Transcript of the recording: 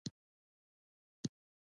غرمه د دعا د خوند وخت دی